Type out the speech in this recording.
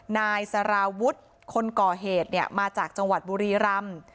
นายสารวุฒิคนก่อเหตุมาจากจังหวัดบุรีรำ